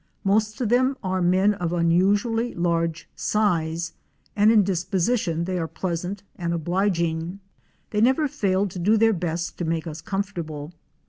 Most of them are men of unusu ally large size, and in disposition they are pleasant and obliging. They never failed to do their best to make us com fortable.